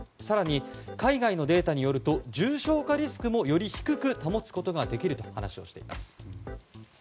更に、海外のデータによると重症化リスクもより低く保つことができると話しています。